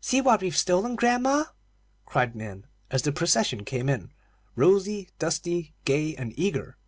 "See what we've stolen, grandma," cried Min, as the procession came in, rosy, dusty, gay, and eager.